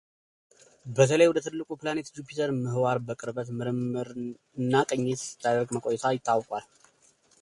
በተለይ ወደ ትልቁ ፕላኔት ጁፒተር ምህዋር በቅርበት ምርምርና ቅኝት ስታደርግ መቆየቷ ታውቋል፡፡